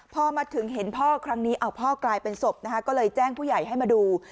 พอมาถึงเห็นพ่อครั้งนี้พ่อกลายเป็นศพนะคะก็เลยแจ้งผู้ใหญ่ให้มาดู